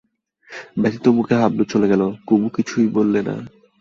ব্যথিতমুখে হাবলু চলে গেল, কুমু কিছুই বললে না।